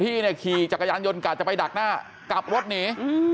ที่ขี่จักรยานยนต์กล่าจะไปดักหน้ากลับรถหนี